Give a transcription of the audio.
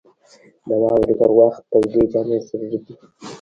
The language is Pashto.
• د واورې پر وخت تودې جامې ضروري دي.